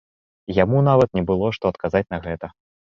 Яму нават не было што адказаць на гэта.